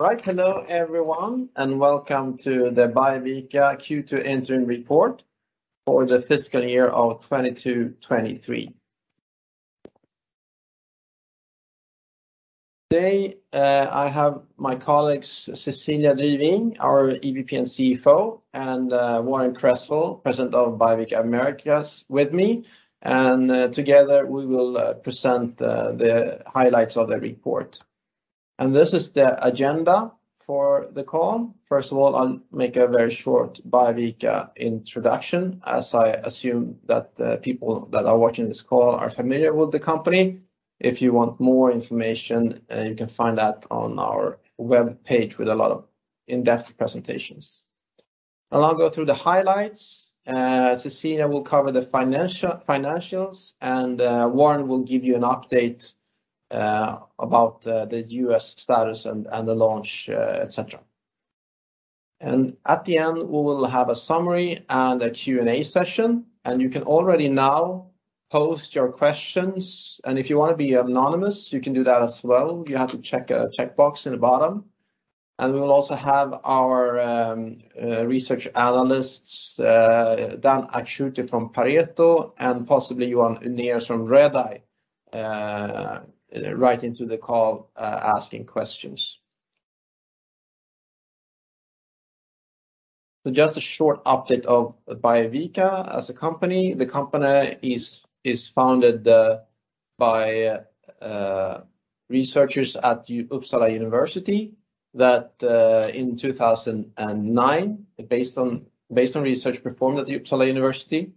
Right. Hello, everyone, welcome to the Biovica Q2 Interim Report for the fiscal year of 2023. Today, I have my colleagues, Cecilia Driving, our EVP and CFO, and Warren Cresswell, president of Biovica Americas, with me, and together, we will present the highlights of the report. This is the agenda for the call. First of all, I'll make a very short Biovica introduction, as I assume that the people that are watching this call are familiar with the company. If you want more information, you can find that on our webpage with a lot of in-depth presentations. I'll go through the highlights, Cecilia will cover the financials, and Warren will give you an update about the US status and the launch, et cetera. At the end, we will have a summary and a Q&A session, and you can already now post your questions. If you wanna be anonymous, you can do that as well. You have to check a checkbox in the bottom. We will also have our research analysts, Dan Akschuti from Pareto Securities and possibly Johan Unnerus from Redeye, right into the call, asking questions. Just a short update of Biovica as a company. The company is founded by researchers at Uppsala University that in 2009, based on research performed at Uppsala University.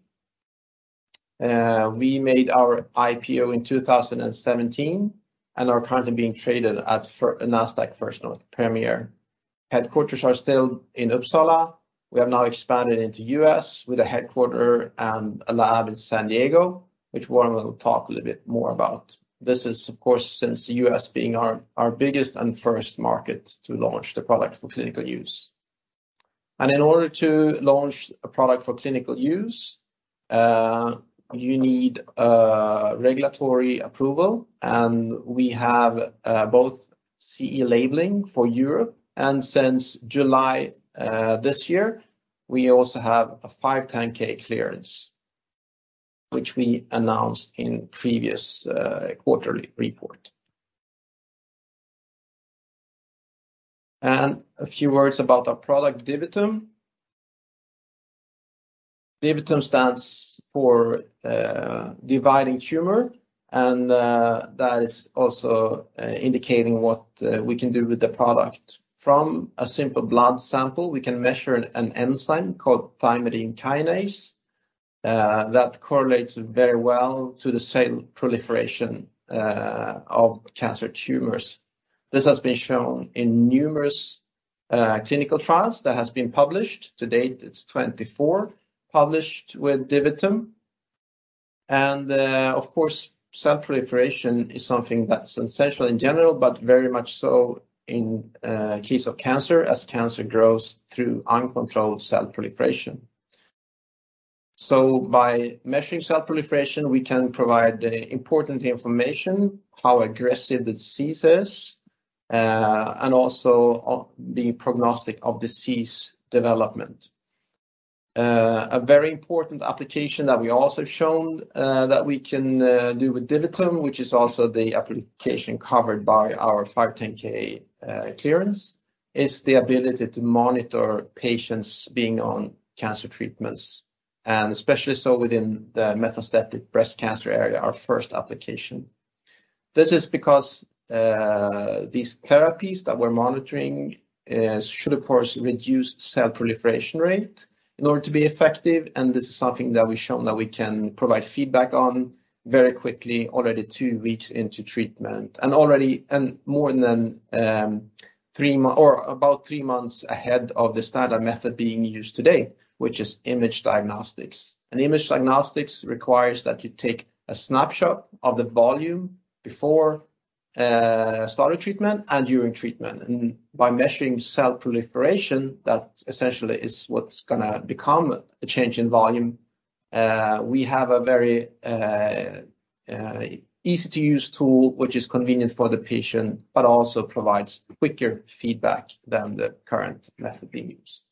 We made our IPO in 2017 and are currently being traded at Nasdaq First North Premier. Headquarters are still in Uppsala. We have now expanded into U.S. with a headquarter and a lab in San Diego, which Warren will talk a little bit more about. This is, of course, since U.S. being our biggest and first market to launch the product for clinical use. In order to launch a product for clinical use, you need a regulatory approval. We have both CE marking for Europe. Since July this year, we also have a 510(k) clearance, which we announced in previous quarterly report. A few words about our product, DiviTum. DiviTum stands for dividing tumor, and that is also indicating what we can do with the product. From a simple blood sample, we can measure an enzyme called thymidine kinase, that correlates very well to the cell proliferation of cancer tumors. This has been shown in numerous clinical trials that has been published. To date, it's 24 published with DiviTum. Of course, cell proliferation is something that's essential in general, but very much so in case of cancer as cancer grows through uncontrolled cell proliferation. By measuring cell proliferation, we can provide important information, how aggressive the disease is, and also on the prognostic of disease development. A very important application that we also shown that we can do with DiviTum, which is also the application covered by our 510(k) clearance, is the ability to monitor patients being on cancer treatments, and especially so within the metastatic breast cancer area, our first application. This is because these therapies that we're monitoring should of course reduce cell proliferation rate in order to be effective. This is something that we've shown that we can provide feedback on very quickly, already two weeks into treatment. About three months ahead of the standard method being used today, which is image diagnostics. Image diagnostics requires that you take a snapshot of the volume before start a treatment and during treatment. By measuring cell proliferation, that essentially is what's gonna become a change in volume. We have a very easy-to-use tool, which is convenient for the patient, but also provides quicker feedback than the current method being used.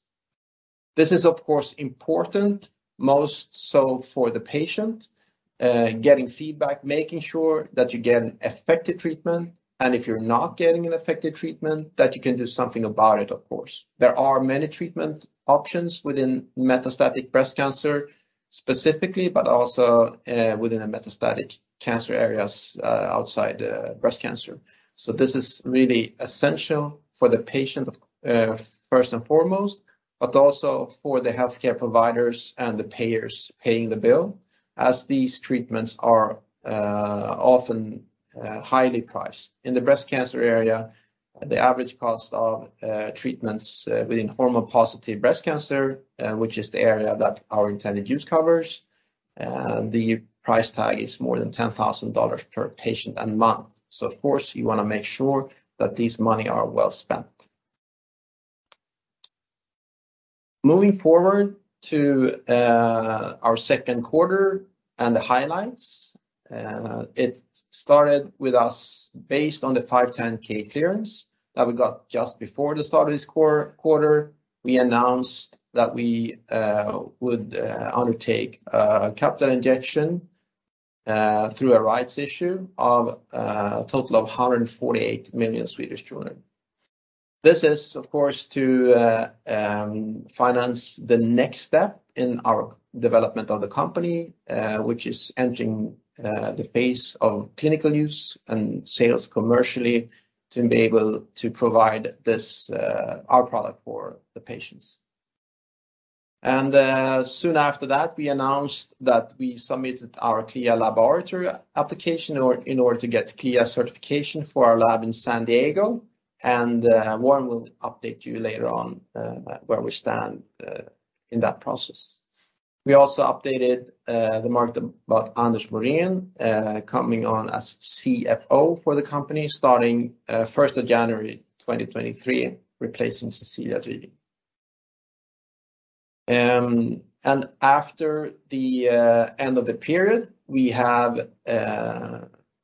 This is, of course, important, most so for the patient, getting feedback, making sure that you get an effective treatment. If you're not getting an effective treatment, that you can do something about it, of course. There are many treatment options within metastatic breast cancer, specifically, but also, within metastatic cancer areas outside the breast cancer. This is really essential for the patient, first and foremost, but also for the healthcare providers and the payers paying the bill, as these treatments are often highly priced. In the breast cancer area, the average cost of treatments within hormone positive breast cancer, which is the area that our intended use covers, the price tag is more than $10,000 per patient a month. Of course, you wanna make sure that this money are well spent. Moving forward to our second quarter and the highlights. It started with us based on the 510(k) clearance that we got just before the start of this quarter. We announced that we would undertake a capital injection through a rights issue of a total of 148 million. This is, of course, to finance the next step in our development of the company, which is entering the phase of clinical use and sales commercially to be able to provide this our product for the patients. Soon after that, we announced that we submitted our CLIA laboratory application in order to get CLIA certification for our lab in San Diego. Warren will update you later on where we stand in that process. We also updated the market about Anders Morén coming on as CFO for the company, starting January 1, 2023, replacing Cecilia Driving. After the end of the period, we have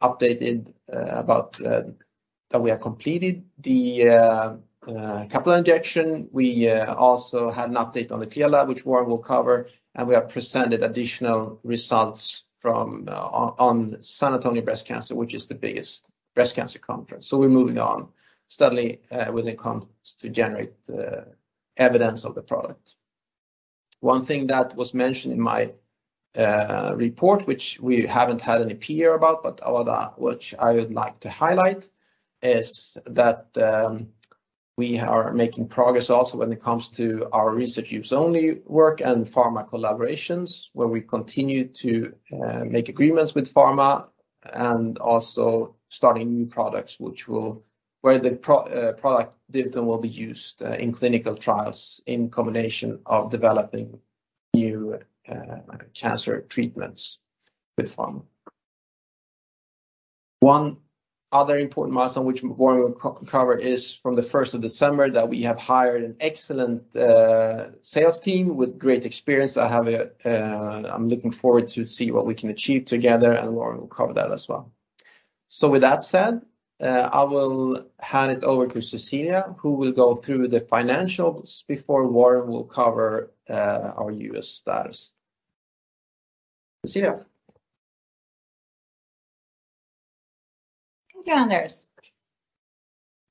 updated about that we have completed the capital injection. We also had an update on the CLIA lab, which Warren will cover, and we have presented additional results from on San Antonio Breast Cancer, which is the biggest breast cancer conference. We're moving on steadily when it comes to generate the evidence of the product. One thing that was mentioned in my report, which we haven't had any PR about, however, which I would like to highlight is that we are making progress also when it comes to our Research Use Only work and pharma collaborations, where we continue to make agreements with pharma and also starting new products where the product DiviTum will be used in clinical trials in combination of developing new cancer treatments with pharma. One other important milestone which Warren will co-cover is from the 1st of December that we have hired an excellent sales team with great experience. I'm looking forward to see what we can achieve together. Warren will cover that as well. With that said, I will hand it over to Cecilia, who will go through the financials before Warren will cover, our US status. Cecilia. Thank you, Anders.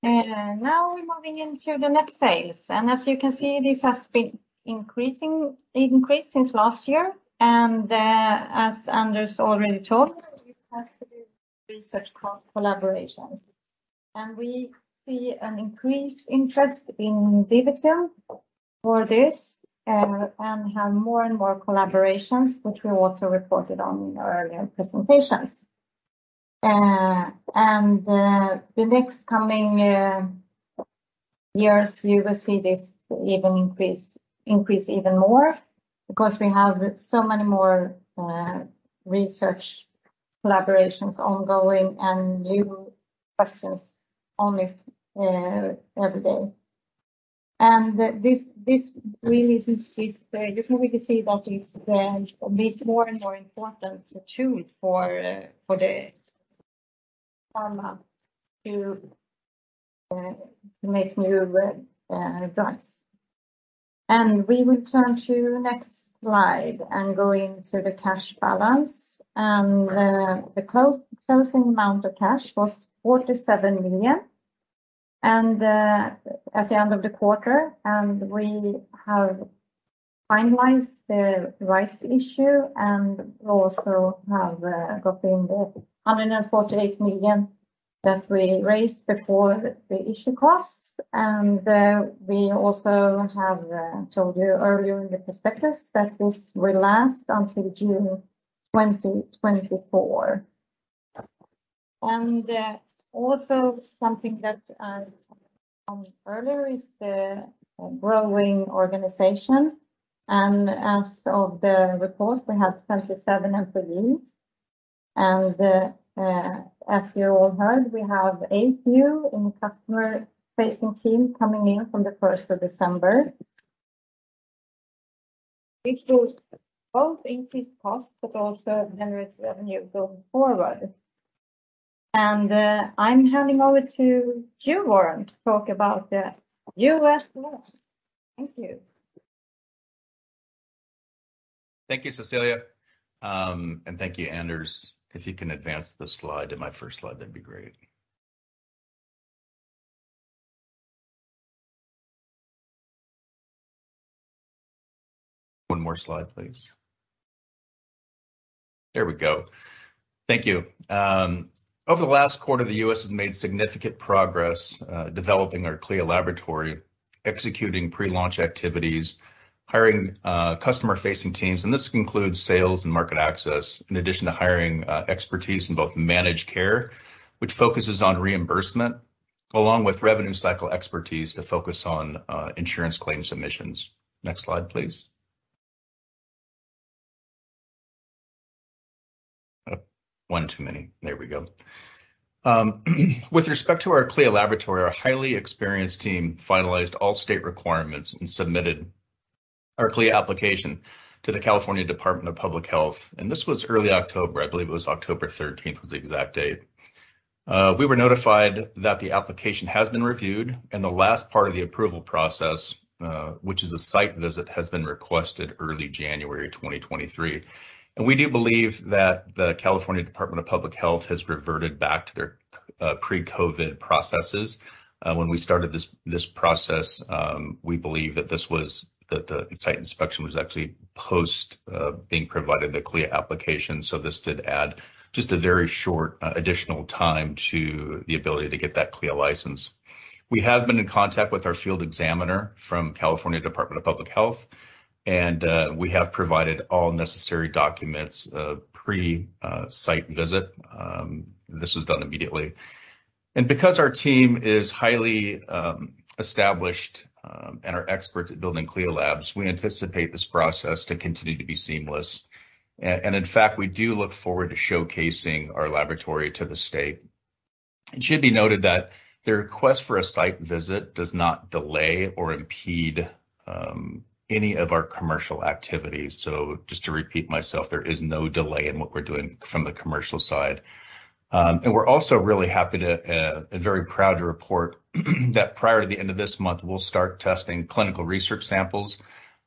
Now we're moving into the net sales. As you can see, this has been increasing, it increased since last year. As Anders already told, it has to do with research collaborations. We see an increased interest in DiviTum for this and have more and more collaborations, which we also reported on in our earlier presentations. The next coming years, you will see this even increase even more because we have so many more research collaborations ongoing and new questions every day. This really is, you can really see that it's this more and more important tool for the pharma to make new drugs. We return to next slide and go into the cash balance. The closing amount of cash was 47 million at the end of the quarter, and we have finalized the rights issue and also have got in 148 million that we raised before the issue costs. We also have told you earlier in the prospectus that this will last until June 2024. Also something that came earlier is the growing organization. As of the report, we have 27 employees. As you all heard, we have eight new in customer-facing team coming in from the first of December, which does both increase cost but also generate revenue going forward. I'm handing over to you, Warren, to talk about the US launch. Thank you. Thank you, Cecilia. Thank you, Anders. If you can advance the slide to my first slide, that'd be great. One more slide, please. There we go. Thank you. Over the last quarter, the U.S. has made significant progress developing our CLIA laboratory, executing pre-launch activities, hiring customer-facing teams, and this includes sales and market access, in addition to hiring expertise in both managed care, which focuses on reimbursement, along with revenue cycle expertise to focus on insurance claim submissions. Next slide, please. One too many. There we go. With respect to our CLIA laboratory, our highly experienced team finalized all state requirements and submitted our CLIA application to the California Department of Public Health. This was early October, I believe it was October 13th was the exact date. We were notified that the application has been reviewed, and the last part of the approval process, which is a site visit, has been requested early January 2023. We do believe that the California Department of Public Health has reverted back to their pre-COVID processes. When we started this process, we believe that the site inspection was actually post being provided the CLIA application. This did add just a very short additional time to the ability to get that CLIA license. We have been in contact with our field examiner from California Department of Public Health, and we have provided all necessary documents pre site visit. This was done immediately. Because our team is highly established and are experts at building CLIA labs, we anticipate this process to continue to be seamless. In fact, we do look forward to showcasing our laboratory to the state. It should be noted that the request for a site visit does not delay or impede any of our commercial activities. Just to repeat myself, there is no delay in what we're doing from the commercial side. We're also really happy to and very proud to report that prior to the end of this month, we'll start testing clinical research samples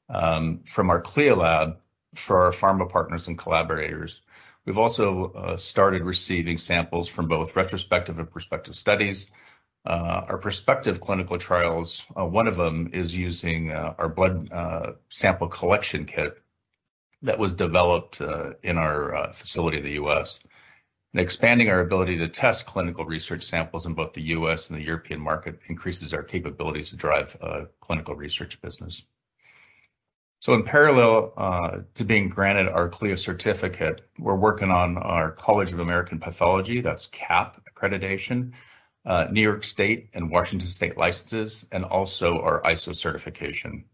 from our CLIA lab for our pharma partners and collaborators. We've also started receiving samples from both retrospective and prospective studies. Our prospective clinical trials, one of them is using our blood sample collection kit that was developed in our facility in the U.S. Expanding our ability to test clinical research samples in both the U.S. and the European market increases our capabilities to drive clinical research business. In parallel to being granted our CLIA certification, we're working on our College of American Pathologists, that's CAP accreditation, New York State and Washington State licenses, and also our ISO certification.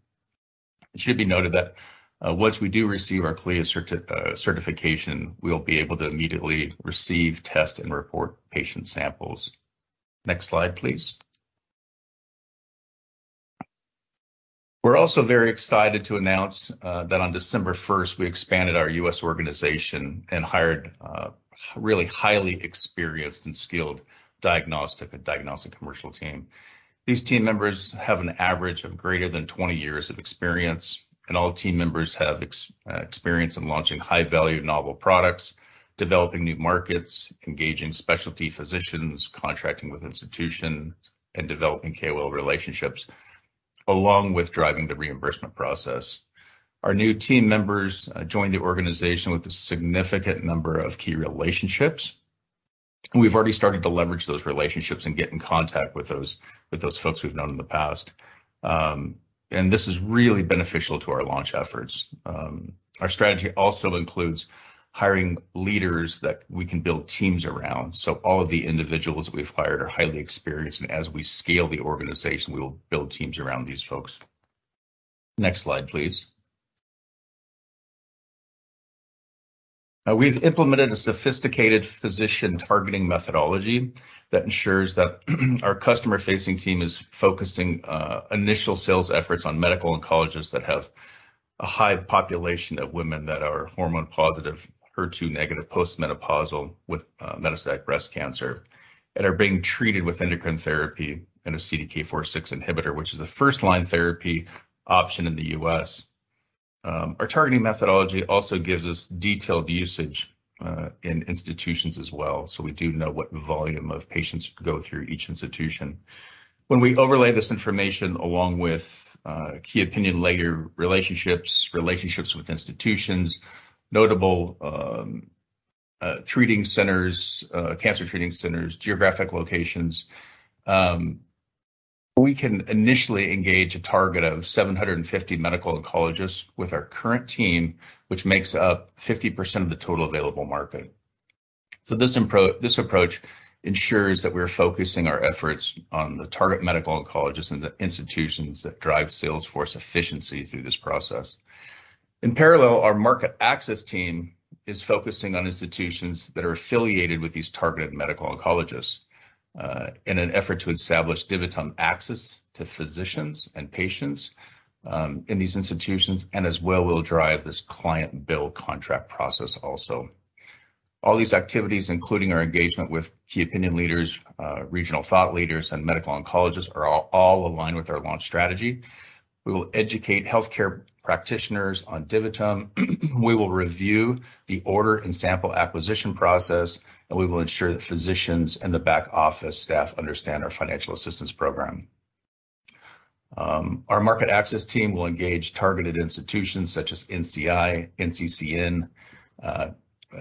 It should be noted that once we do receive our CLIA certification, we will be able to immediately receive, test, and report patient samples. Next slide, please. We're also very excited to announce that on December first, we expanded our U.S. organization and hired a really highly experienced and skilled diagnostic and diagnostic commercial team. These team members have an average of greater than 20 years of experience, and all team members have experience in launching high-value novel products, developing new markets, engaging specialty physicians, contracting with institution, and developing KOL relationships, along with driving the reimbursement process. Our new team members joined the organization with a significant number of key relationships. We've already started to leverage those relationships and get in contact with those folks we've known in the past. This is really beneficial to our launch efforts. Our strategy also includes hiring leaders that we can build teams around. All of the individuals we've hired are highly experienced, and as we scale the organization, we will build teams around these folks. Next slide, please. We've implemented a sophisticated physician targeting methodology that ensures that our customer-facing team is focusing initial sales efforts on medical oncologists that have a high population of women that are hormone receptor-positive, HER2-negative, post-menopausal with metastatic breast cancer, and are being treated with endocrine therapy and a CDK4/6 inhibitor, which is a first-line therapy option in the U.S. Our targeting methodology also gives us detailed usage in institutions as well. We do know what volume of patients go through each institution. When we overlay this information along with key opinion leader relationships with institutions, notable treating centers, cancer treating centers, geographic locations, we can initially engage a target of 750 medical oncologists with our current team, which makes up 50% of the total available market. This approach ensures that we're focusing our efforts on the target medical oncologists and the institutions that drive sales force efficiency through this process. In parallel, our market access team is focusing on institutions that are affiliated with these targeted medical oncologists, in an effort to establish DiviTum access to physicians and patients, in these institutions, and as well will drive this client bill contract process also. All these activities, including our engagement with key opinion leaders, regional thought leaders, and medical oncologists, are all aligned with our launch strategy. We will educate healthcare practitioners on DiviTum, we will review the order and sample acquisition process, and we will ensure that physicians and the back office staff understand our financial assistance program. Our market access team will engage targeted institutions such as NCI, NCCN,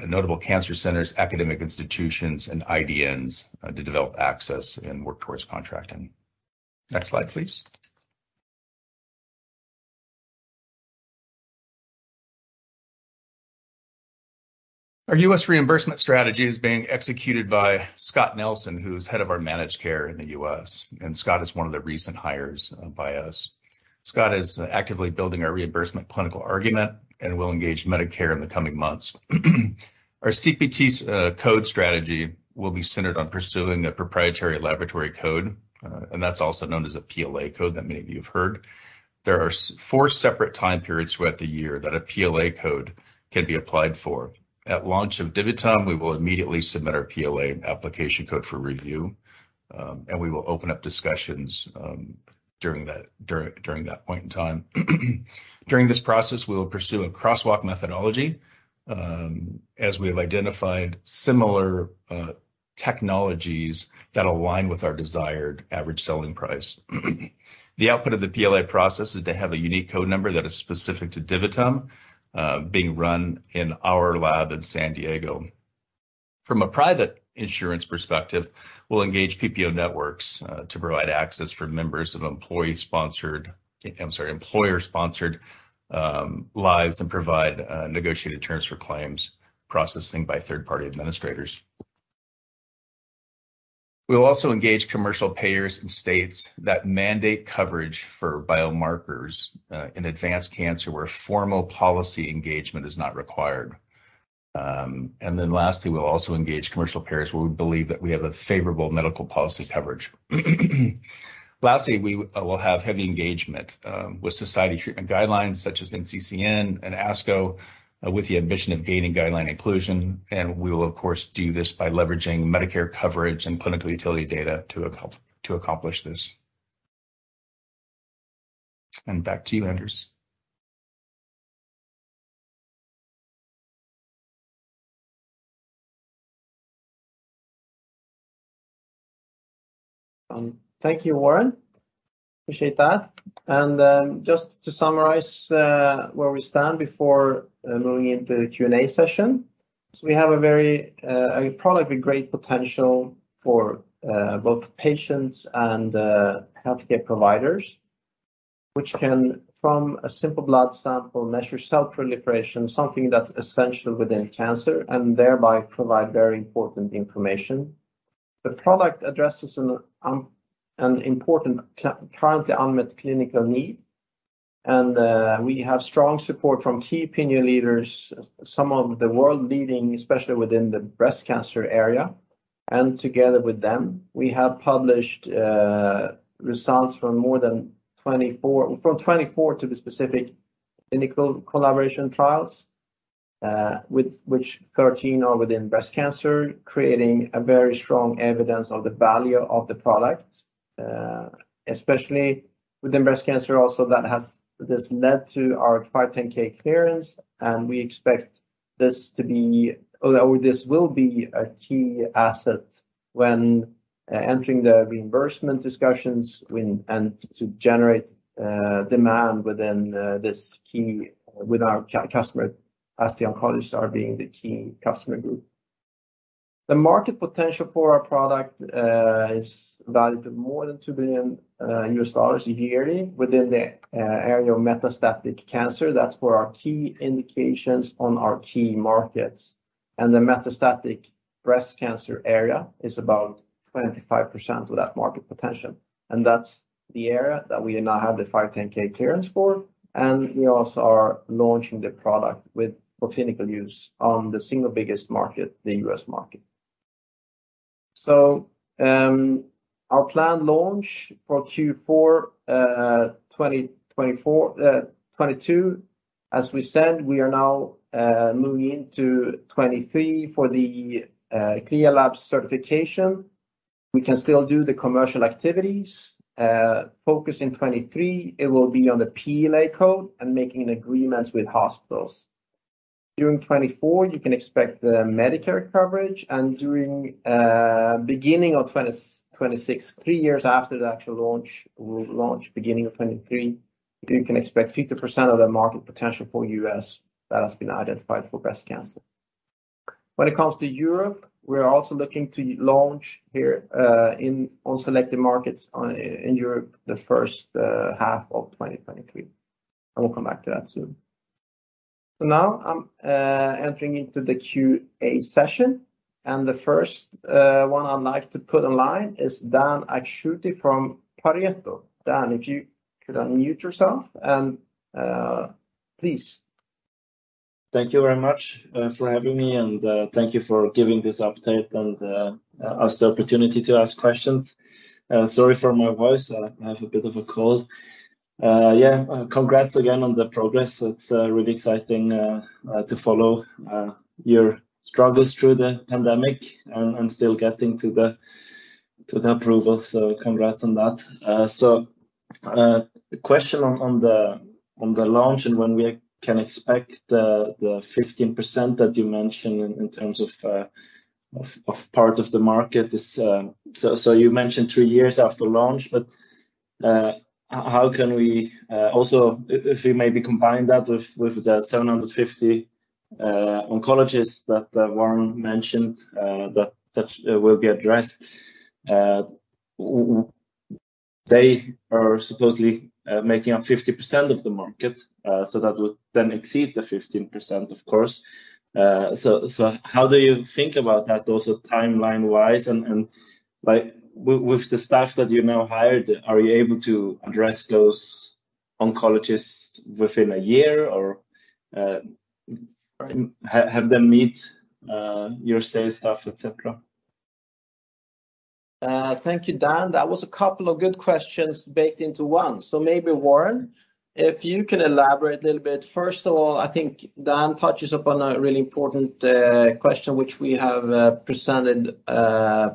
notable cancer centers, academic institutions, and IDNs to develop access and work towards contracting. Next slide, please. Our U.S. reimbursement strategy is being executed by Scot Nelson, who's head of our managed care in the U.S., and Scott is one of the recent hires by us. Scott is actively building our reimbursement clinical argument and will engage Medicare in the coming months. Our CPT code strategy will be centered on pursuing a proprietary laboratory code, and that's also known as a PLA code that many of you have heard. There are four separate time periods throughout the year that a PLA code can be applied for. At launch of DiviTum, we will immediately submit our PLA application code for review, and we will open up discussions during that point in time. During this process, we will pursue a crosswalk methodology, as we have identified similar technologies that align with our desired average selling price. The output of the PLA process is to have a unique code number that is specific to DiviTum, being run in our lab in San Diego. From a private insurance perspective, we'll engage PPO networks, to provide access for members of employer-sponsored lives and provide negotiated terms for claims processing by third-party administrators. We'll also engage commercial payers in states that mandate coverage for biomarkers in advanced cancer where formal policy engagement is not required. Lastly, we'll also engage commercial payers where we believe that we have a favorable medical policy coverage. We will have heavy engagement with society treatment guidelines such as NCCN and ASCO with the ambition of gaining guideline inclusion, and we will of course do this by leveraging Medicare coverage and clinical utility data to accomplish this. Send back to you, Anders. Thank you, Warren. Appreciate that. Just to summarize, where we stand before moving into the Q&A session. We have a very product with great potential for both patients and healthcare providers, which can, from a simple blood sample, measure cell proliferation, something that's essential within cancer, and thereby provide very important information. The product addresses an important currently unmet clinical need, and we have strong support from key opinion leaders, some of the world leading, especially within the breast cancer area. Together with them, we have published results from 24 to be specific, clinical collaboration trials, with which 13 are within breast cancer, creating a very strong evidence of the value of the product, especially within breast cancer also that has this led to our 510(k) clearance, and we expect this to be, or this will be a key asset when entering the reimbursement discussions and to generate demand within this key with our customer, as the oncologists are being the key customer group. The market potential for our product is valued at more than $2 billion yearly within the area of metastatic cancer. That's for our key indications on our key markets. The metastatic breast cancer area is about 25% of that market potential. That's the area that we now have the 510(k) clearance for. We also are launching the product for clinical use on the single biggest market, the U.S. market. Our planned launch for Q4, 2024, 2022. As we stand, we are now moving into 2023 for the CLIA lab certification. We can still do the commercial activities. Focus in 2023, it will be on the PLA code and making agreements with hospitals. During 2024, you can expect the Medicare coverage and during beginning of 2026, 3 years after the actual launch, we'll launch beginning of 2023, you can expect 50% of the market potential for U.S. that has been identified for breast cancer. When it comes to Europe, we are also looking to launch here, in on selected markets in Europe the first half of 2023. We'll come back to that soon. Now I'm entering into the Q&A session, and the first one I'd like to put in line is Dan Akschuti from Pareto Securities. Dan, if you could unmute yourself and please. Thank you very much for having me, and thank you for giving this update and us the opportunity to ask questions. Sorry for my voice. I have a bit of a cold. Yeah, congrats again on the progress. It's really exciting to follow your struggles through the pandemic and still getting to the approval. Congrats on that. The question on the launch and when we can expect the 15% that you mentioned in terms of part of the market is, you mentioned three years after launch, but how can we also, if you maybe combine that with the 750 oncologists that Warren mentioned, that will be addressed. They are supposedly making up 50% of the market, so that would then exceed the 15%, of course. How do you think about that also timeline-wise and like with the staff that you now hired, are you able to address those oncologists within a year or have them meet your sales staff, et cetera Thank you, Dan. That was a couple of good questions baked into one. Maybe Warren, if you can elaborate a little bit. First of all, I think Dan touches upon a really important question which we have presented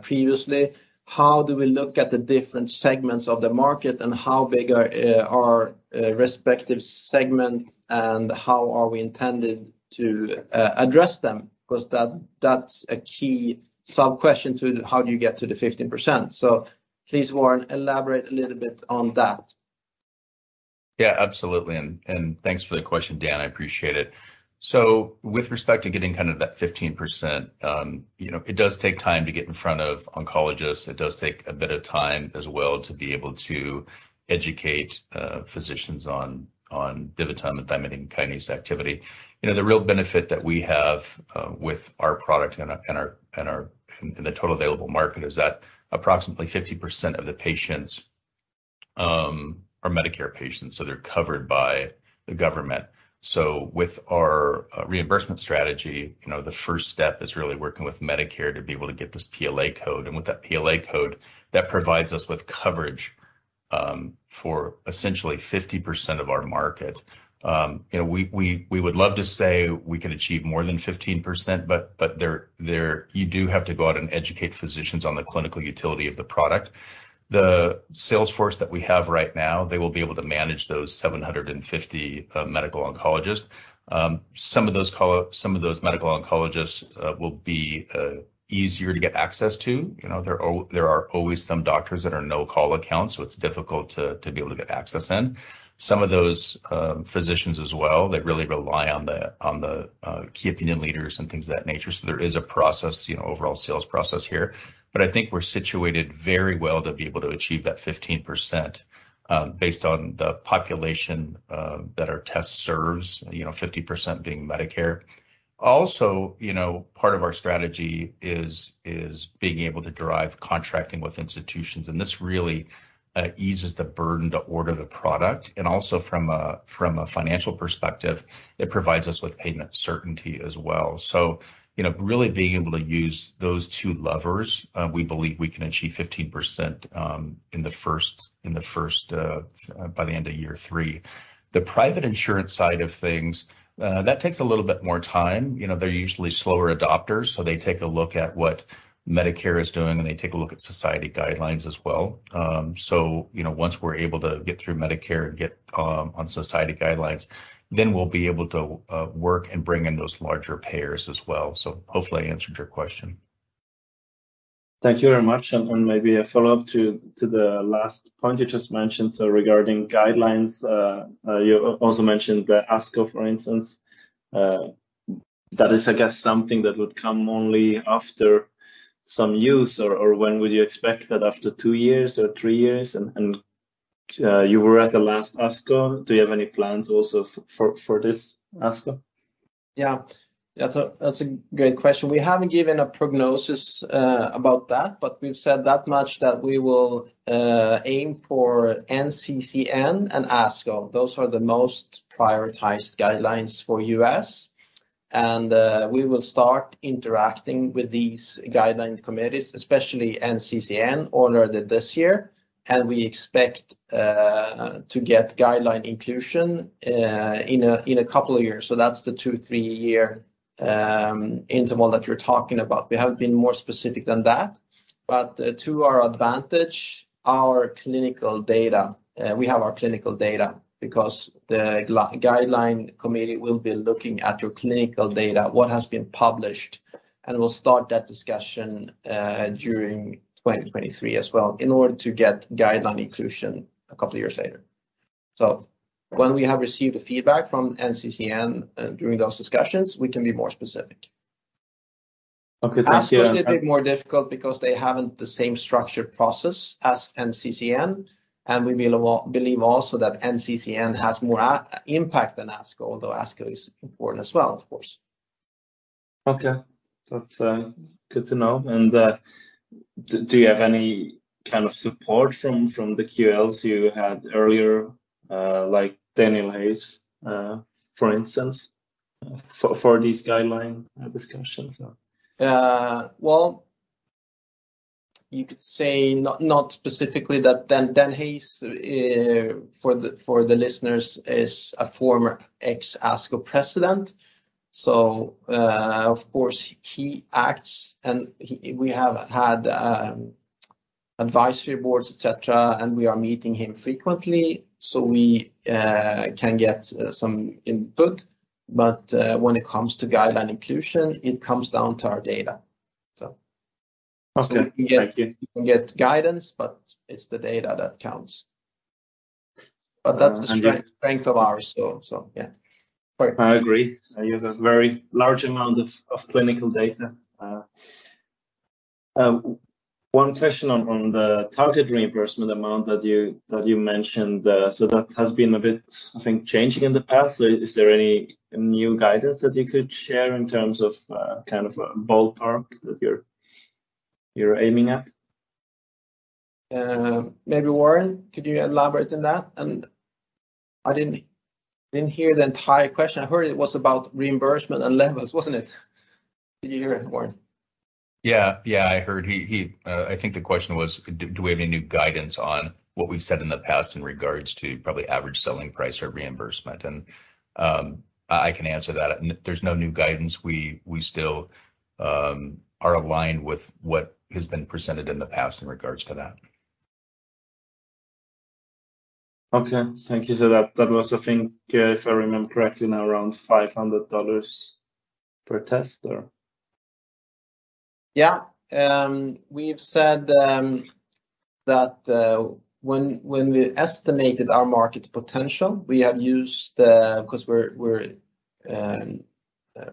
previously. How do we look at the different segments of the market and how big are respective segment and how are we intended to address them? Because that's a key sub-question to how do you get to the 15%. Please, Warren, elaborate a little bit on that. Absolutely, thanks for the question, Dan, I appreciate it. With respect to getting kind of that 15%, you know, it does take time to get in front of oncologists. It does take a bit of time as well to be able to educate physicians on DiviTum thymidine kinase activity. You know, the real benefit that we have with our product and our total available market is that approximately 50% of the patients are Medicare patients, so they're covered by the government. With our reimbursement strategy, you know, the first step is really working with Medicare to be able to get this PLA code. With that PLA code, that provides us with coverage for essentially 50% of our market. you know, we would love to say we could achieve more than 15%, but there. You do have to go out and educate physicians on the clinical utility of the product. The sales force that we have right now, they will be able to manage those 750 medical oncologists. some of those medical oncologists will be easier to get access to. You know, there are always some doctors that are no call accounts, so it's difficult to be able to get access in. Some of those physicians as well, they really rely on the key opinion leaders and things of that nature. There is a process, you know, overall sales process here. I think we're situated very well to be able to achieve that 15%, based on the population, that our test serves, you know, 50% being Medicare. You know, part of our strategy being able to drive contracting with institutions, and this really eases the burden to order the product. Also from a financial perspective, it provides us with payment certainty as well. You know, really being able to use those two levers, we believe we can achieve 15%, by the end of year three. The private insurance side of things, that takes a little bit more time. You know, they're usually slower adopters, so they take a look at what Medicare is doing, and they take a look at society guidelines as well. You know, once we're able to get through Medicare and get on society guidelines, then we'll be able to work and bring in those larger payers as well. Hopefully I answered your question. Thank you very much. Maybe a follow-up to the last point you just mentioned. Regarding guidelines, you also mentioned the ASCO, for instance. That is, I guess, something that would come only after some use, or when would you expect that after two years or three years? You were at the last ASCO. Do you have any plans also for this ASCO? Yeah. That's a great question. We haven't given a prognosis about that, but we've said that much that we will aim for NCCN and ASCO. Those are the most prioritized guidelines for U.S. We will start interacting with these guideline committees, especially NCCN ordered it this year, and we expect to get guideline inclusion in a couple of years. That's the two, three-year interval that you're talking about. We haven't been more specific than that. To our advantage, our clinical data, we have our clinical data because the guideline committee will be looking at your clinical data, what has been published, and we'll start that discussion during 2023 as well in order to get guideline inclusion a couple of years later. When we have received the feedback from NCCN, during those discussions, we can be more specific. Okay, thank you. ASCO is a bit more difficult because they haven't the same structured process as NCCN. We believe also that NCCN has more impact than ASCO, although ASCO is important as well, of course. Okay. That's good to know. And, do you have any kind of support from the KOLs you had earlier, like Daniel Hayes, for instance, for these guideline discussions? Well, you could say not specifically that Dan Hayes, for the listeners, is a former ex-ASCO president. Of course, he acts and we have had advisory boards, et cetera, and we are meeting him frequently, so we can get some input. When it comes to guideline inclusion, it comes down to our data. Okay. Thank you... we can get guidance, but it's the data that counts. That's the strength- And you-... strength of ours, so yeah. Right. I agree. You have a very large amount of clinical data. One question on the target reimbursement amount that you mentioned. That has been a bit, I think, changing in the past. Is there any new guidance that you could share in terms of kind of a ballpark that you're aiming at? Maybe Warren, could you elaborate on that? I didn't hear the entire question. I heard it was about reimbursement and levels, wasn't it? Did you hear it, Warren? Yeah. Yeah, I heard. I think the question was do we have any new guidance on what we've said in the past in regards to probably average selling price or reimbursement and I can answer that. There's no new guidance. We still are aligned with what has been presented in the past in regards to that. Okay. Thank you for that. That was, I think, if I remember correctly, now around $500 per test, or... We've said that when we estimated our market potential, we have used because we're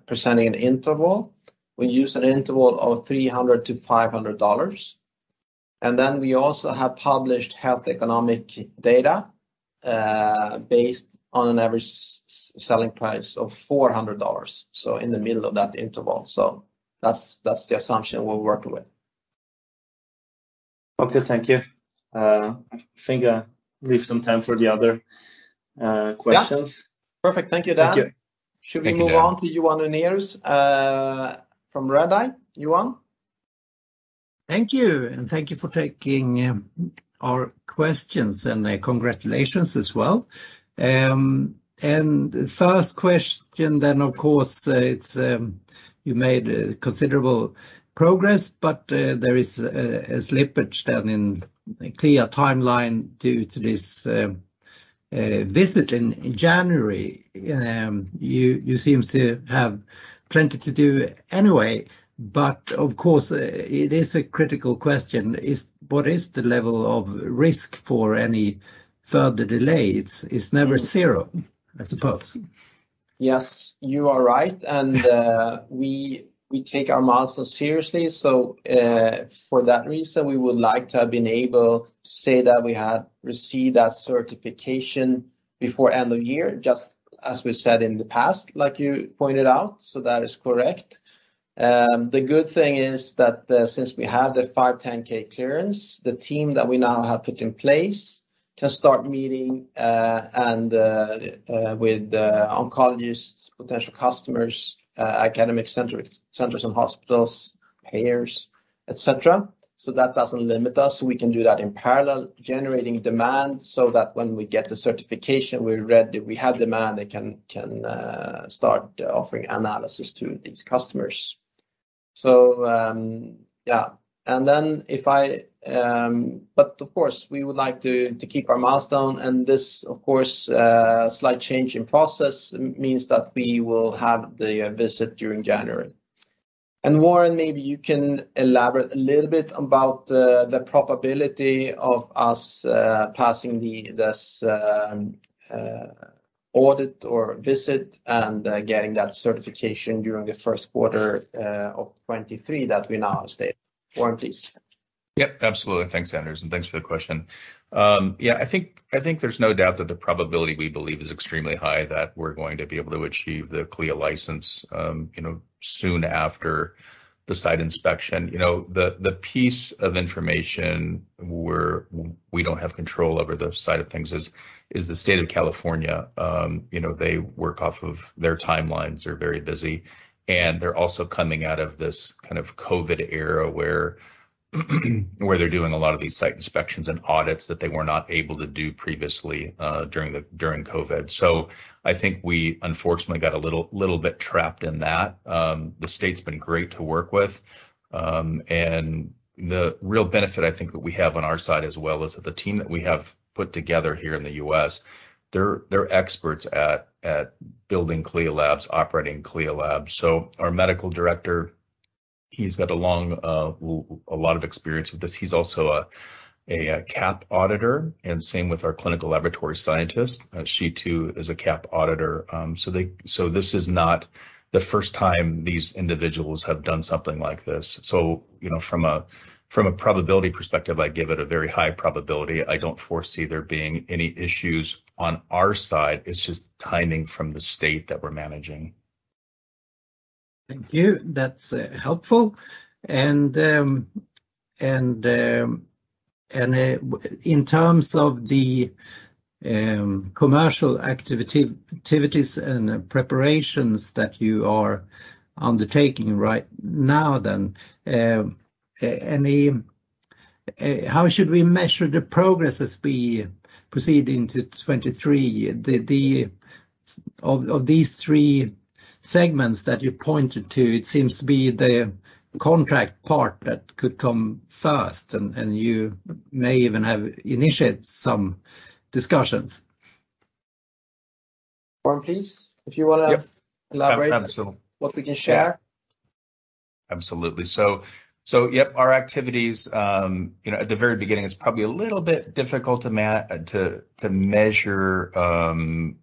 presenting an interval, we used an interval of $300-$500, and then we also have published health economic data based on an average selling price of $400, so in the middle of that interval. That's the assumption we're working with. Okay, thank you. I think I leave some time for the other questions. Yeah. Perfect. Thank you, Dan. Thank you. Thank you, Dan. Should we move on to Johan and Anders from Redeye? Johan? Thank you. Thank you for taking our questions, and congratulations as well. First question then, of course, it's, you made considerable progress, but there is a slippage than in a clear timeline due to this visit in January. You, you seem to have plenty to do anyway, but of course, it is a critical question. What is the level of risk for any further delay? It's, it's never 0, I suppose. Yes. You are right. We take our milestones seriously. For that reason, we would like to have been able to say that we had received that certification before end of year, just as we said in the past, like you pointed out. That is correct. The good thing is that since we have the 510(k) clearance, the team that we now have put in place can start meeting with oncologists, potential customers, academic centers and hospitals, payers, et cetera. That doesn't limit us. We can do that in parallel, generating demand, that when we get the certification, we're ready. We have demand and can start offering analysis to these customers. Yeah. Then if I... Of course, we would like to keep our milestone, and this, of course, slight change in process means that we will have the visit during January. Warren, maybe you can elaborate a little bit about the probability of us passing the this audit or visit and getting that certification during the first quarter of 2023 that we now state. Warren, please. Yep, absolutely. Thanks, Anders, and thanks for the question. Yeah, I think there's no doubt that the probability, we believe, is extremely high that we're going to be able to achieve the CLIA license, you know, soon after the site inspection. You know, the piece of information where we don't have control over the side of things is the state of California. You know, they work off of their timelines. They're very busy, and they're also coming out of this kind of COVID era where they're doing a lot of these site inspections and audits that they were not able to do previously, during COVID. I think we unfortunately got a little bit trapped in that. The state's been great to work with. The real benefit I think that we have on our side as well is the team that we have put together here in the U.S., they're experts at building CLIA labs, operating CLIA labs. Our medical director, he's got a lot of experience with this. He's also a CAP auditor, and same with our clinical laboratory scientist. She too is a CAP auditor. This is not the first time these individuals have done something like this. you know, from a, from a probability perspective, I give it a very high probability. I don't foresee there being any issues on our side. It's just timing from the state that we're managing. Thank you. That's helpful. In terms of the commercial activities and preparations that you are undertaking right now then, how should we measure the progress as we proceed into 2023? The of these three segments that you pointed to, it seems to be the contract part that could come first, and you may even have initiated some discussions. Warren, please. Yep... elaborate- Absolutely. what we can share. Absolutely. Yep, our activities, you know, at the very beginning, it's probably a little bit difficult to measure,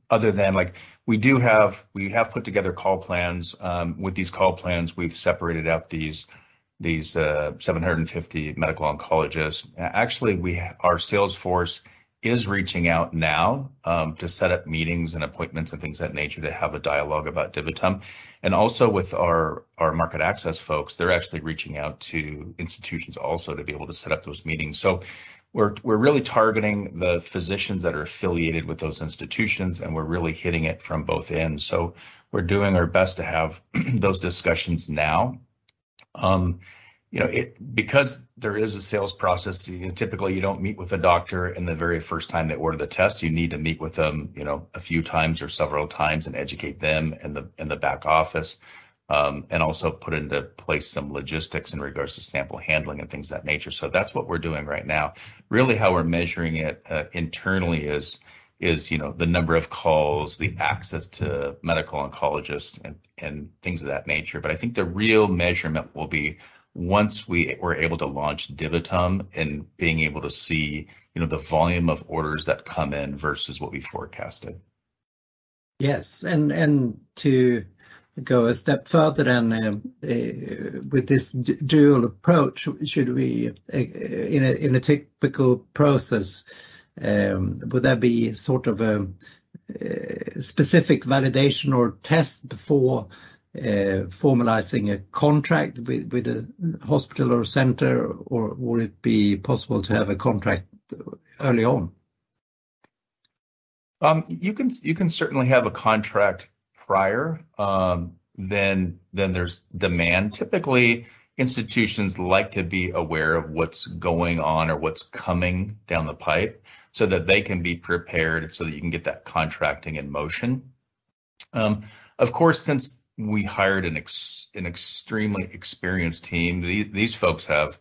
other than, like, we have put together call plans. With these call plans, we've separated out these 750 medical oncologists. Actually, our sales force is reaching out now to set up meetings and appointments and things of that nature to have a dialogue about DiviTum. Also with our market access folks, they're actually reaching out to institutions also to be able to set up those meetings. We're really targeting the physicians that are affiliated with those institutions, and we're really hitting it from both ends. We're doing our best to have those discussions now. You know, it... There is a sales process, you know, typically, you don't meet with a doctor in the very first time they order the test. You need to meet with them, you know, a few times or several times and educate them in the back office, and also put into place some logistics in regards to sample handling and things of that nature. That's what we're doing right now. Really, how we're measuring it internally is, you know, the number of calls, the access to medical oncologists and things of that nature. I think the real measurement will be once we're able to launch DiviTum and being able to see, you know, the volume of orders that come in versus what we forecasted. To go a step further then, with this dual approach, should we, in a typical process, would there be sort of a specific validation or test before formalizing a contract with a hospital or center, or would it be possible to have a contract early on? You can certainly have a contract prior, then there's demand. Typically, institutions like to be aware of what's going on or what's coming down the pipe so that they can be prepared so that you can get that contracting in motion. Of course, since we hired an extremely experienced team, these folks have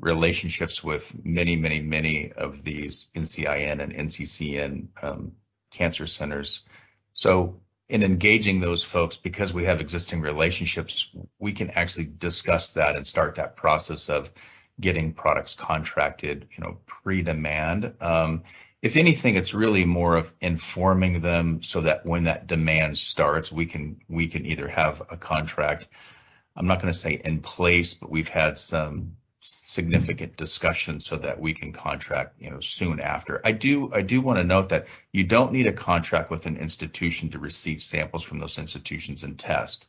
relationships with many, many, many of these NCCN and NCCN cancer centers. In engaging those folks, because we have existing relationships, we can actually discuss that and start that process of getting products contracted, you know, pre-demand. If anything, it's really more of informing them so that when that demand starts, we can either have a contract, I'm not gonna say in place, but we've had some significant discussions so that we can contract, you know, soon after. I do want to note that you don't need a contract with an institution to receive samples from those institutions and test.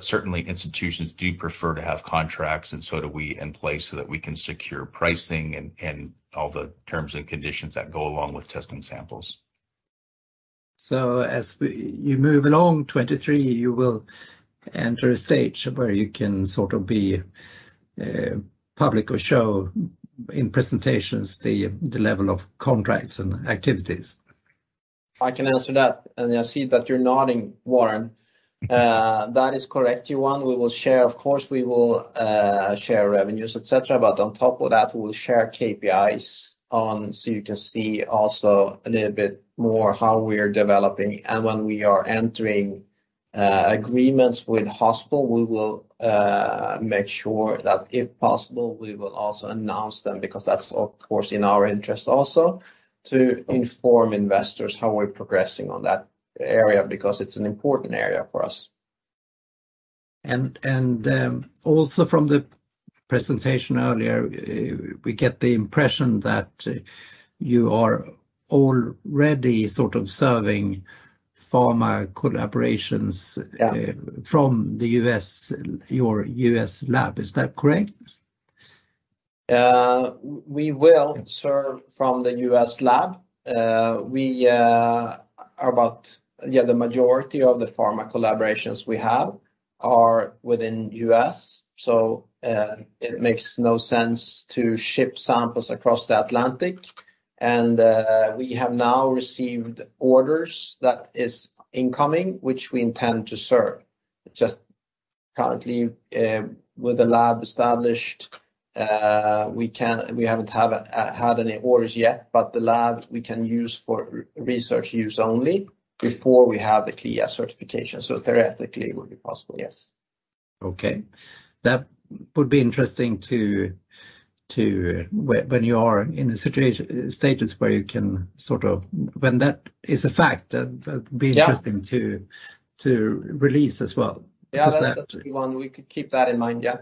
Certainly, institutions do prefer to have contracts, and so do we in place so that we can secure pricing and all the terms and conditions that go along with testing samples. You move along 2023, you will enter a stage where you can sort of be public or show in presentations the level of contracts and activities. I can answer that. I see that you're nodding, Warren. That is correct, Johan. We will share. Of course, we will share revenues, et cetera. On top of that, we will share KPIs on so you can see also a little bit more how we're developing. When we are entering agreements with hospital, we will make sure that, if possible, we will also announce them because that's, of course, in our interest also to inform investors how we're progressing on that area because it's an important area for us. Also from the presentation earlier, we get the impression that you are already sort of serving pharma collaborations. Yeah from the U.S., your US lab. Is that correct? We will serve from the US lab. Yeah, the majority of the pharma collaborations we have are within U.S., so it makes no sense to ship samples across the Atlantic. We have now received orders that is incoming, which we intend to serve. Just currently, with the lab established, we can't. We haven't had any orders yet. But the lab, we can use for Research Use Only before we have the CLIA certification. Theoretically, it would be possible, yes. Okay. That would be interesting to. When you are in a status where you can sort of. When that is a fact, that would be interesting. Yeah... to release as well. Because. Yeah. That's a good one. We could keep that in mind, yeah.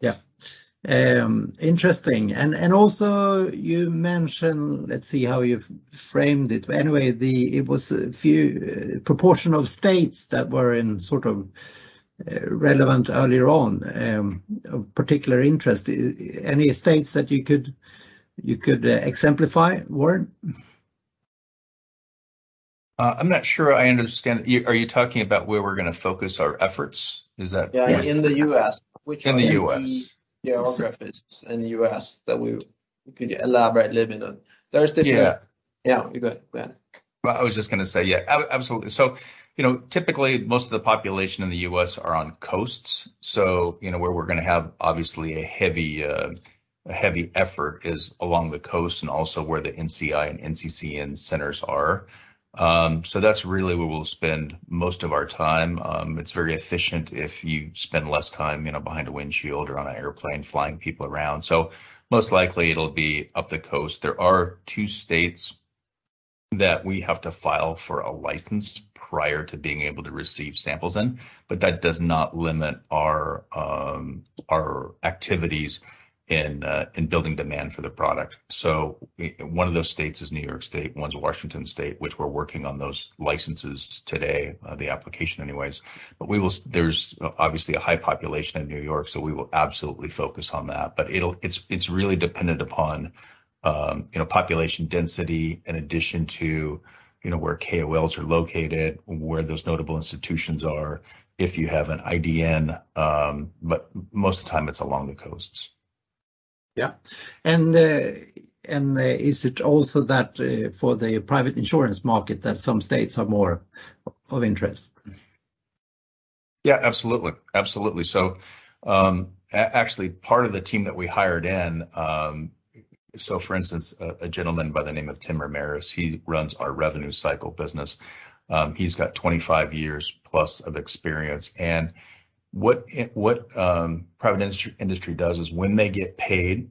Yeah. Interesting. Also you mentioned... Let's see how you framed it. Anyway, the... It was a few proportion of states that were in sort of relevant earlier on, of particular interest. Any states that you could exemplify, Warren? I'm not sure I understand. Are you talking about where we're gonna focus our efforts? Is that- Yeah. In the U.S. In the U.S. Which are the geographies in the U.S. that we could elaborate a little bit on. There is different- Yeah. Yeah. You go ahead, go ahead. Well, I was just gonna say, yeah, absolutely. You know, typically, most of the population in the U.S. are on coasts, so, you know, where we're gonna have obviously a heavy, a heavy effort is along the coast and also where the NCI and NCCN centers are. That's really where we'll spend most of our time. It's very efficient if you spend less time, you know, behind a windshield or on an airplane flying people around. Most likely it'll be up the coast. There are two states that we have to file for a license prior to being able to receive samples in, but that does not limit our activities in building demand for the product. One of those states is New York State, one's Washington State, which we're working on those licenses today, the application anyways. There's obviously a high population in New York, so we will absolutely focus on that. It's, it's really dependent upon, you know, population density in addition to, you know, where KOLs are located, where those notable institutions are, if you have an IDN. Most of the time it's along the coasts. Yeah. Is it also that, for the private insurance market that some states are more of interest? Yeah, absolutely. Absolutely. Actually part of the team that we hired in, For instance, a gentleman by the name of Tim Ramirez, he runs our revenue cycle business. He's got 25 years plus of experience. What private industry does is when they get paid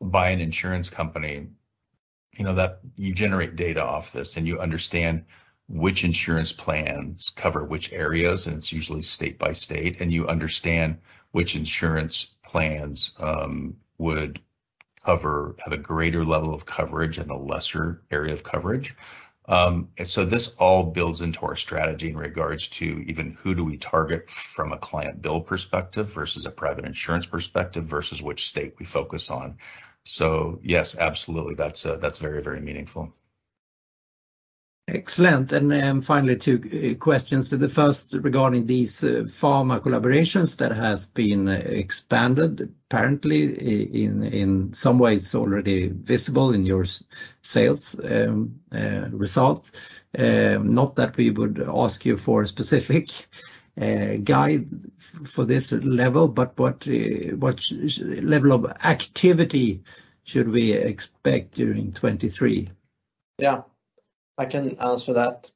by an insurance company, you know that you generate data off this, and you understand which insurance plans cover which areas, and it's usually state by state, and you understand which insurance plans have a greater level of coverage and a lesser area of coverage. This all builds into our strategy in regards to even who do we target from a client bill perspective versus a private insurance perspective versus which state we focus on. Yes, absolutely, that's very, very meaningful. Excellent. Finally, two questions. The first regarding these pharma collaborations that has been expanded apparently in some ways already visible in your sales, results. Not that we would ask you for a specific, guide for this level, but what level of activity should we expect during 2023? Yeah, I can answer that.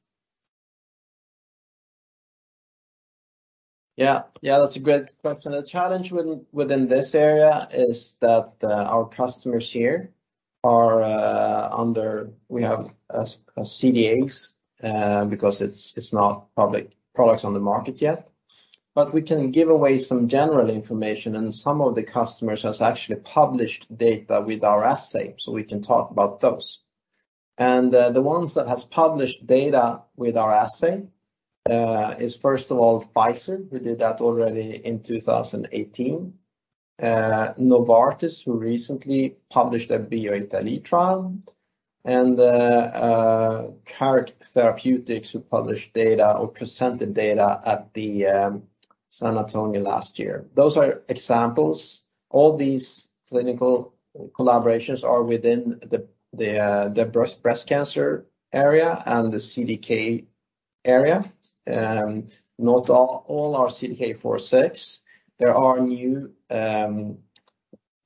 Yeah. Yeah, that's a great question. The challenge within this area is that we have CDAs, because it's not public products on the market yet. We can give away some general information, and some of the customers has actually published data with our assay, so we can talk about those. The ones that has published data with our assay is, first of all, Pfizer, who did that already in 2018. Novartis, who recently published a BioItaLEE trial. Carrick Therapeutics, who published data or presented data at the San Antonio last year. Those are examples. All these clinical collaborations are within the breast cancer area and the CDK area. Not all are CDK4/6. There are new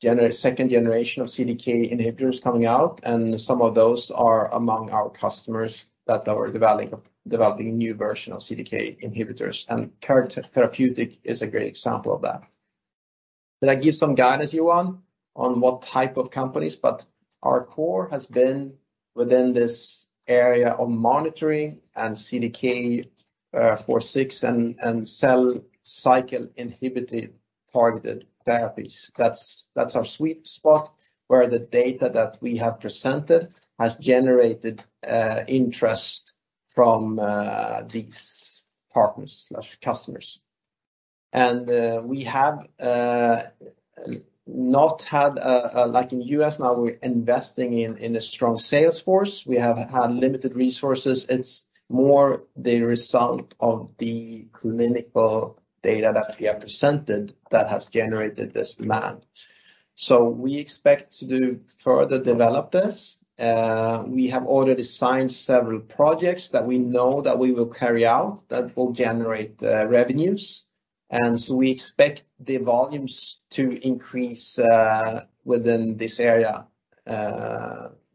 second generation of CDK inhibitors coming out, some of those are among our customers that are developing new version of CDK inhibitors. Carrick Therapeutics is a great example of that. Did I give some guidance, Johan, on what type of companies? Our core has been within this area of monitoring and CDK4/6 and cell cycle inhibitor targeted therapies. That's our sweet spot where the data that we have presented has generated interest from these partners/customers. We have not had like in U.S. now, we're investing in a strong sales force. We have had limited resources. It's more the result of the clinical data that we have presented that has generated this demand. We expect to do further develop this. We have already signed several projects that we know that we will carry out that will generate revenues. We expect the volumes to increase within this area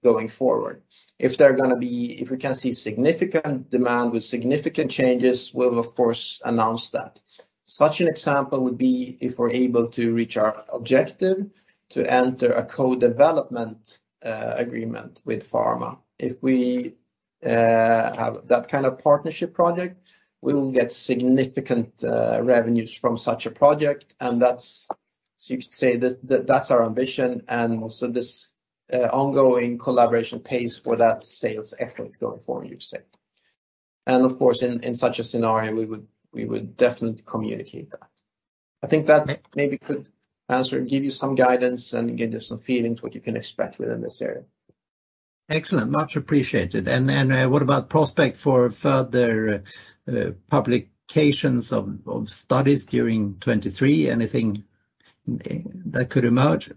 going forward. If we can see significant demand with significant changes, we'll of course announce that. Such an example would be if we're able to reach our objective to enter a co-development agreement with pharma. If we have that kind of partnership project, we will get significant revenues from such a project. That's, you could say that's our ambition. Also this ongoing collaboration pays for that sales effort going forward, you'd say. Of course, in such a scenario, we would definitely communicate that. I think that maybe could answer, give you some guidance and give you some feelings what you can expect within this area. Excellent. Much appreciated. What about prospect for further publications of studies during 2023? Anything that could emerge?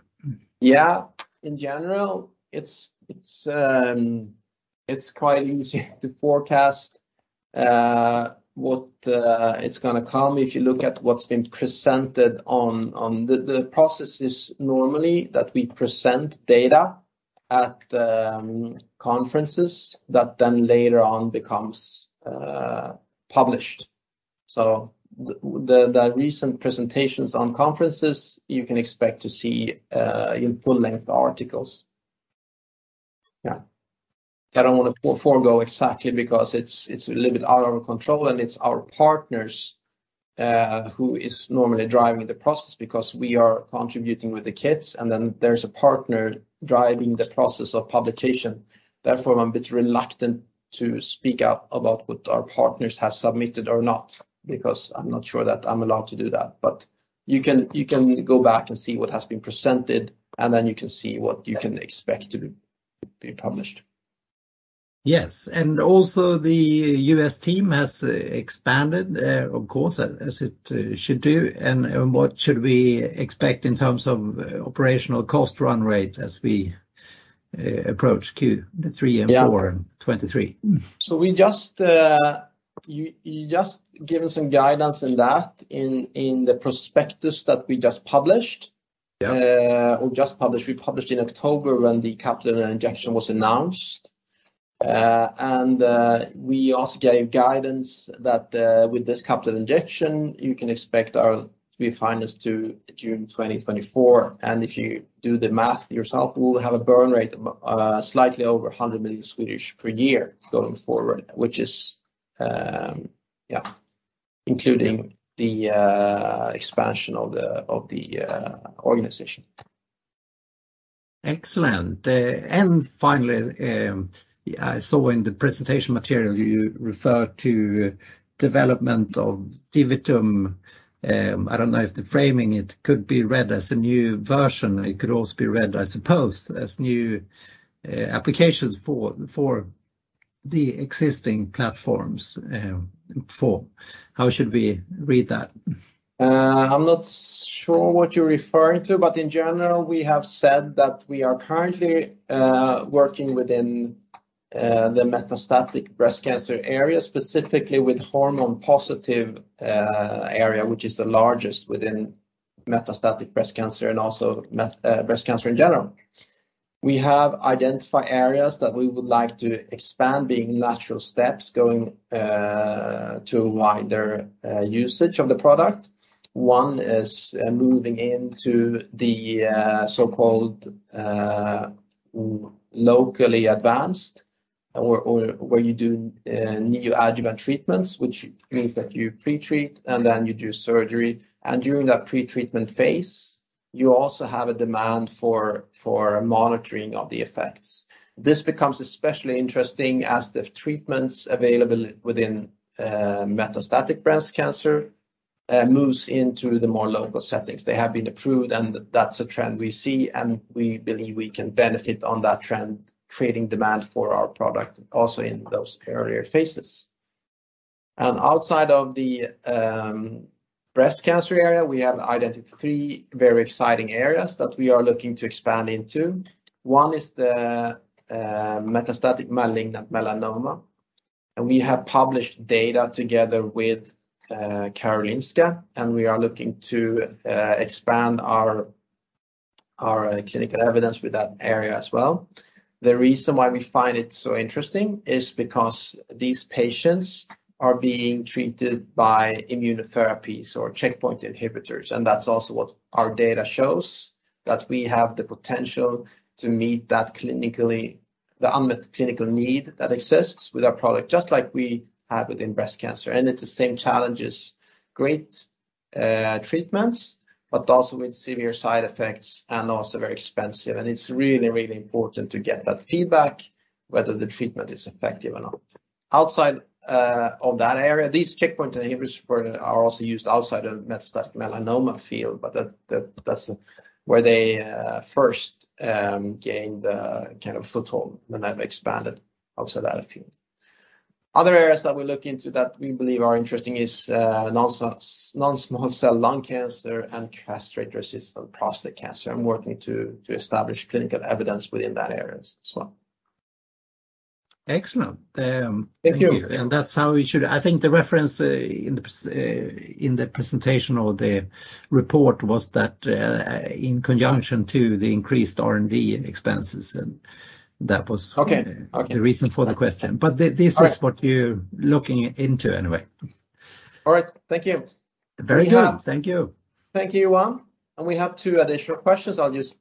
Yeah. In general, it's quite easy to forecast what is gonna come if you look at what's been presented on the processes normally that we present data at conferences that then later on becomes published. The recent presentations on conferences you can expect to see in full-length articles. Yeah. I don't want to forego exactly because it's a little bit out of our control, and it's our partners who is normally driving the process because we are contributing with the kits, and then there's a partner driving the process of publication. Therefore, I'm a bit reluctant to speak up about what our partners have submitted or not because I'm not sure that I'm allowed to do that. You can go back and see what has been presented, and then you can see what you can expect to be published. Yes. Also the US team has expanded, of course, as it should do. What should we expect in terms of operational cost run rate as we approach Q3 and Q4 2023? We just, you just given some guidance in that in the prospectus that we just published. Yeah. or just published. We published in October when the capital injection was announced. We also gave guidance that with this capital injection you can expect our to be financed to June 2024, and if you do the math yourself, we'll have a burn rate of slightly over 100 million per year going forward, which is, yeah, including the expansion of the organization. Excellent. Finally, I saw in the presentation material you refer to development of DiviTum. I don't know if the framing it could be read as a new version. It could also be read, I suppose, as new applications for the existing platforms. How should we read that? I'm not sure what you're referring to, but in general, we have said that we are currently working within the metastatic breast cancer area, specifically with hormone receptor-positive area, which is the largest within metastatic breast cancer and also breast cancer in general. We have identified areas that we would like to expand, being natural steps going to wider usage of the product. One is moving into the so-called locally advanced or where you do neoadjuvant treatments, which means that you pretreat, and then you do surgery. During that pretreatment phase, you also have a demand for monitoring of the effects. This becomes especially interesting as the treatments available within metastatic breast cancer moves into the more local settings. They have been approved, and that's a trend we see, and we believe we can benefit on that trend, creating demand for our product also in those earlier phases. Outside of the breast cancer area, we have identified three very exciting areas that we are looking to expand into. One is the metastatic malignant melanoma, and we have published data together with Karolinska, and we are looking to expand our clinical evidence with that area as well. The reason why we find it so interesting is because these patients are being treated by immunotherapies or checkpoint inhibitors, and that's also what our data shows, that we have the potential to meet the unmet clinical need that exists with our product, just like we have within breast cancer. It's the same challenges. Great treatments but also with severe side effects and also very expensive. It's really, really important to get that feedback whether the treatment is effective or not. Outside of that area, these checkpoint inhibitors are also used outside of metastatic melanoma field, but that's where they first gained a kind of foothold, and they've expanded outside that field. Other areas that we look into that we believe are interesting is non-small cell lung cancer and castrate-resistant prostate cancer and working to establish clinical evidence within that areas as well. Excellent. Thank you. That's how I think the reference in the presentation or the report was that, in conjunction to the increased R&D expenses, and that was. Okay. Okay. ...the reason for the question. This is what you're looking into anyway. All right. Thank you. Very good. Thank you. Thank you, Johan. We have two additional questions. I'll just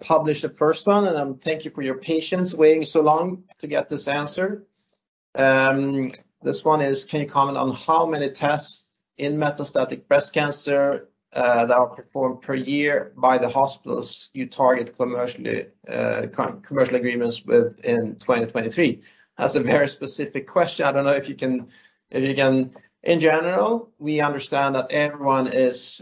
publish the 1st one. Thank you for your patience waiting so long to get this answer. This one is, can you comment on how many tests in metastatic breast cancer that are performed per year by the hospitals you target commercially, commercial agreements with in 2023? That's a very specific question. I don't know if you can. In general, we understand that everyone is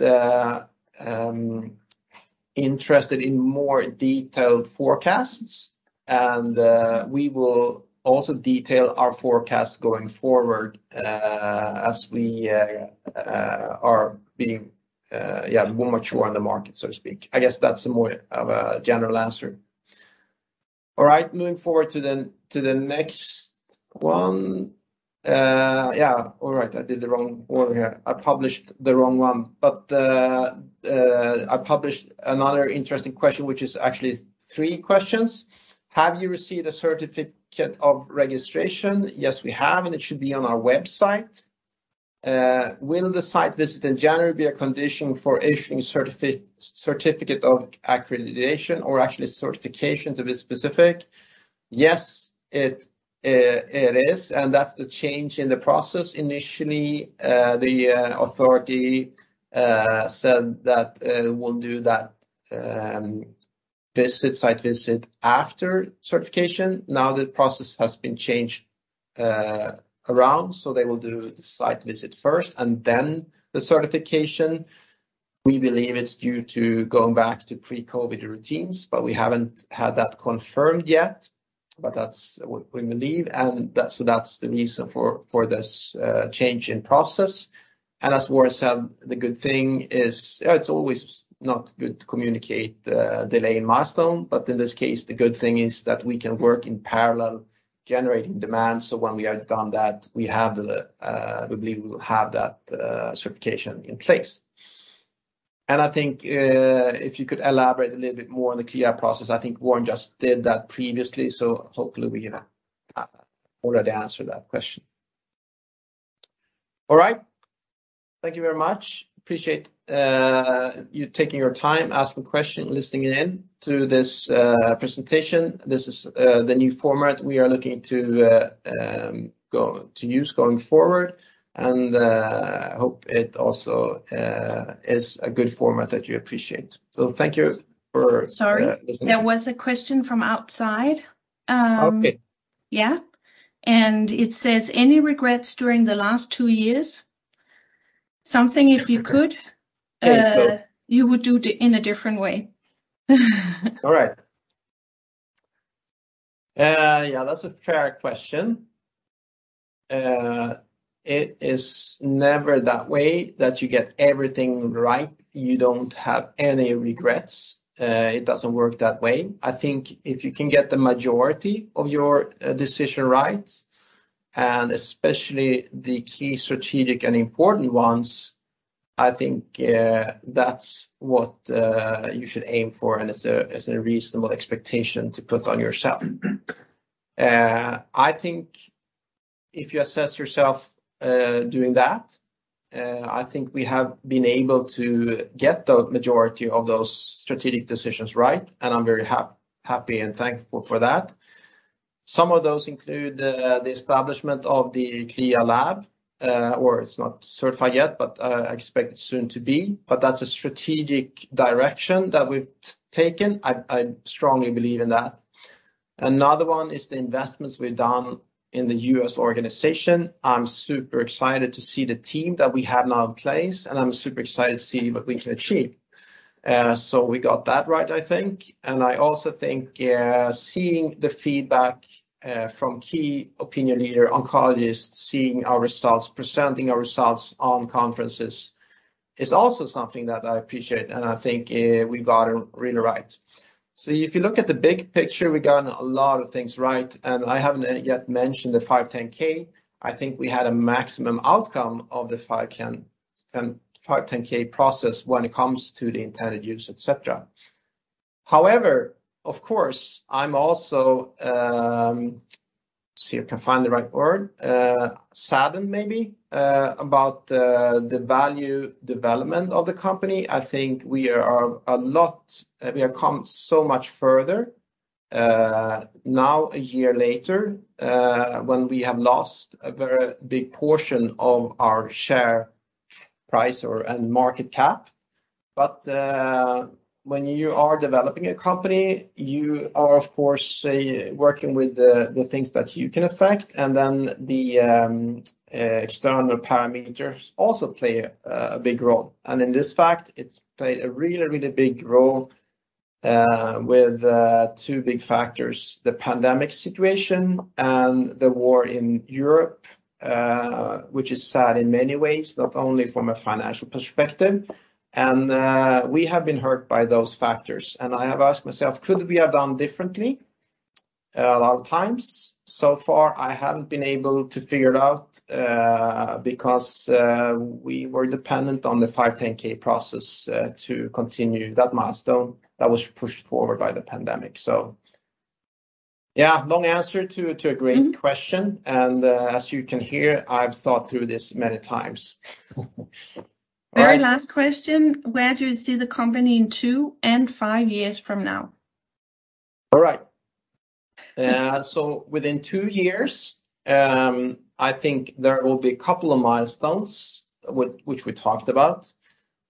interested in more detailed forecasts. We will also detail our forecasts going forward as we are being more mature on the market, so to speak. I guess that's more of a general answer. All right. Moving forward to the next one. All right. I did the wrong order here. I published the wrong one. I published another interesting question, which is actually three questions. Have you received a certificate of registration? Yes, we have, and it should be on our website. Will the site visit in January be a condition for issuing certificate of accreditation or actually certification, to be specific? Yes, it is, that's the change in the process. Initially, the authority said that we'll do that visit, site visit after certification. The process has been changed around, they will do the site visit first and then the certification. We believe it's due to going back to pre-COVID routines, but we haven't had that confirmed yet. That's we believe, and that's the reason for this change in process. As Warren said, the good thing is... It's always not good to communicate the delay in milestone. In this case, the good thing is that we can work in parallel generating demand. When we are done that, we believe we will have that certification in place. I think, if you could elaborate a little bit more on the CLIA process, I think Warren just did that previously, so hopefully we, you know, already answered that question. All right. Thank you very much. Appreciate you taking your time, asking question, listening in to this presentation. This is the new format we are looking to use going forward. Hope it also is a good format that you appreciate. Thank you for- Sorry. Yeah. There was a question from outside. Okay. Yeah. It says, "Any regrets during the last two years?" Something if you could- Okay. So- You would do it in a different way. All right. Yeah, that's a fair question. It is never that way that you get everything right, you don't have any regrets. It doesn't work that way. I think if you can get the majority of your decision rights, and especially the key strategic and important ones, I think, that's what you should aim for, and it's a, it's a reasonable expectation to put on yourself. I think if you assess yourself, doing that, I think we have been able to get the majority of those strategic decisions right, and I'm very happy and thankful for that. Some of those include, the establishment of the CLIA lab, or it's not certified yet, but I expect it soon to be. That's a strategic direction that we've taken. I strongly believe in that. Another one is the investments we've done in the U.S. organization. I'm super excited to see the team that we have now in place, and I'm super excited to see what we can achieve. We got that right, I think. I also think, seeing the feedback from key opinion leader oncologists, seeing our results, presenting our results on conferences is also something that I appreciate, and I think, we got it really right. If you look at the big picture, we got a lot of things right. I haven't yet mentioned the 510(k). I think we had a maximum outcome of the 510(k) process when it comes to the intended use, et cetera. Of course, I'm also, see if I can find the right word, saddened maybe, about, the value development of the company. I think we have come so much further, now a year later, when we have lost a very big portion of our share price or, and market cap. When you are developing a company, you are of course, working with the things that you can affect, and then the, external parameters also play a big role. In this fact, it's played a really, really big role, with, two big factors, the pandemic situation and the war in Europe, which is sad in many ways, not only from a financial perspective. We have been hurt by those factors. I have asked myself, could we have done differently? A lot of times. So far, I haven't been able to figure it out, because, we were dependent on the 510(k) process, to continue that milestone that was pushed forward by the pandemic. Yeah, long answer to a great question. As you can hear, I've thought through this many times. All right. Very last question, where do you see the company in two and five years from now? All right. Within two years, I think there will be a couple of milestones which we talked about,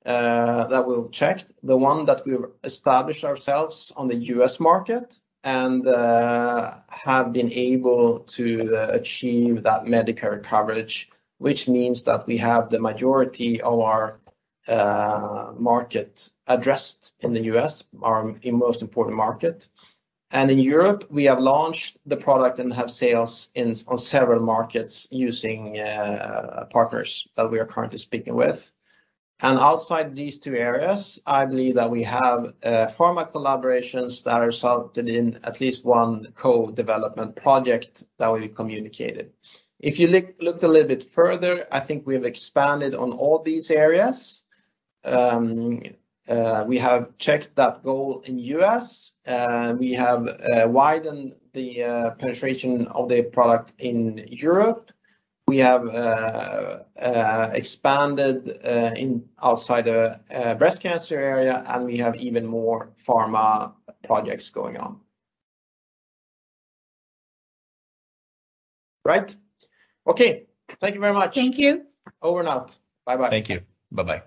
that we've checked. The one that we've established ourselves on the U.S. market and have been able to achieve that Medicare coverage, which means that we have the majority of our market addressed in the U.S., our most important market. In Europe, we have launched the product and have sales in, on several markets using partners that we are currently speaking with. Outside these two areas, I believe that we have pharma collaborations that resulted in at least one co-development project that we communicated. If you look a little bit further, I think we've expanded on all these areas. We have checked that goal in U.S. We have widened the penetration of the product in Europe. We have expanded in outside the breast cancer area. We have even more pharma projects going on. Right. Okay. Thank you very much. Thank you. Over and out. Bye-bye. Thank you. Bye-bye.